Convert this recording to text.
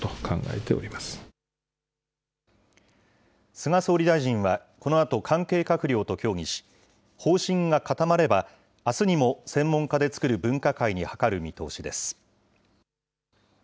菅総理大臣はこのあと関係閣僚と協議し、方針が固まればあすにも専門家で作る分科会に諮る見通しです。